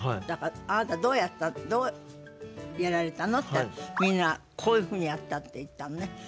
だから「あなたどうやった？どうやられたの？」って「みんなこういうふうにやった」って言ったのね。